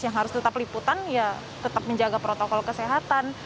yang harus tetap liputan ya tetap menjaga protokol kesehatan